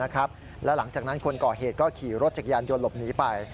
แล้วหลังจากนั้นคนก่อเหตุก็ขี่รถจักรยานยนต์หลบหนีไป